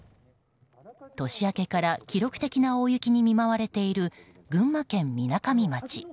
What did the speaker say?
年明けから記録的な大雪に見舞われている群馬県みなかみ町。